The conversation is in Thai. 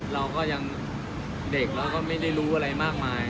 เราก็ยังเด็กเราก็ไม่ได้รู้อะไรมากมาย